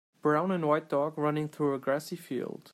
Brown and white dog running through a grassy field.